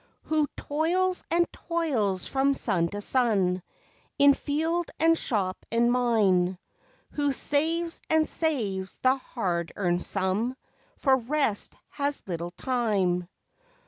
Who toils and toils from sun to sun In field and shop and mine? Who saves and saves the hard earned sum, For rest has little time?